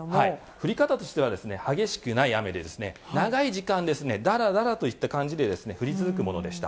降り方としては激しくない雨で、長い時間、だらだらといった感じで降り続くものでした。